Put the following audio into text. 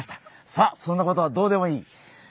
さあそんなことはどうでもいい。